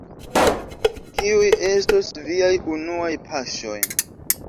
Kiuj estos viaj unuaj paŝoj?